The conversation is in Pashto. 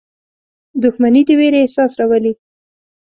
• دښمني د ویرې احساس راولي.